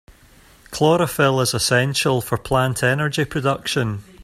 Chlorophyll is essential for plant energy production.